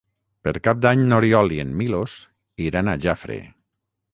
Per Cap d'Any n'Oriol i en Milos iran a Jafre.